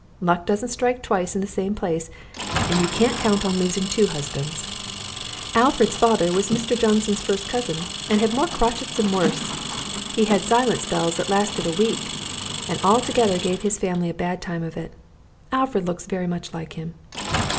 Luck doesn't strike twice in the same place, and you can't count on losing two husbands. Alfred's father was Mr. Johnson's first cousin and had more crotchets and worse. He had silent spells that lasted a week, and altogether gave his family a bad time of it. Alfred looks very much like him."